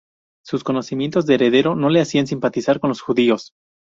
Sus conocimientos de hebreo no le hacían simpatizar con los judíos.